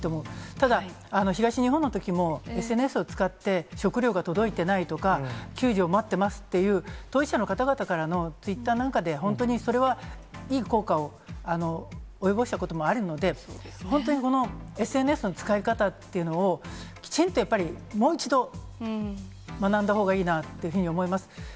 ただ東日本のときもＳＮＳを使って食料が届いてないとか、救助を待ってますっていう当事者の方々からのツイッターなんかで、本当にそれはいい効果を及ぼしたこともあるので、本当にこのＳＮＳの使い方っていうのを、きちんとやっぱり、もう一度、学んだほうがいいなというふうに思います。